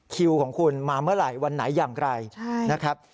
คิวของคุณมาเมื่อไหร่วันไหนอย่างไรนะครับ